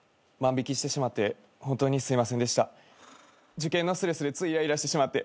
受験のストレスでついイライラしてしまって。